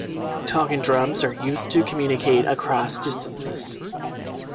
Talking drums are used to communicate across distances.